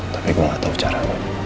tapi gue gak tau cara